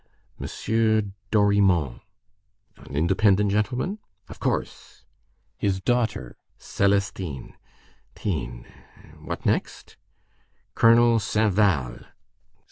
"Monsieur Dorimon." "An independent gentleman?" "Of course." "His daughter, Célestine." "—tine. What next?" "Colonel Sainval."